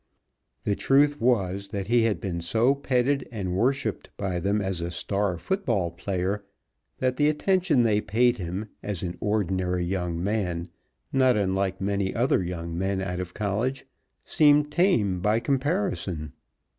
The truth was that he had been so petted and worshiped by them as a star foot ball player that the attention they paid him, as an ordinary young man not unlike many other young men out of college, seemed tame by comparison.